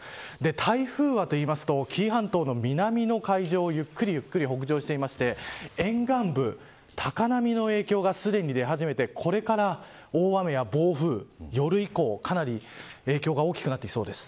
台風はというと紀伊半島の南の海上をゆっくりゆっくり北上していまして沿岸部、高波の影響がすでに出始めてこれから大雨や暴風夜以降、かなり影響が大きくなってきそうです。